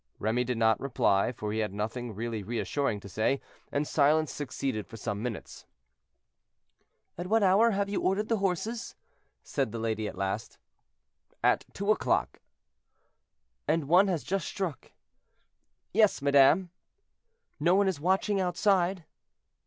Remy did not reply, for he had nothing really reassuring to say, and silence succeeded for some minutes. "At what hour have you ordered the horses?" said the lady, at last. "At two o'clock." "And one has just struck." "Yes, madame." "No one is watching outside?"